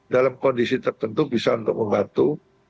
dalam kondisi tertentu bisa untuk membantu